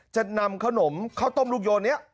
จะนำขนมข้าวต้มลูกโยนนี้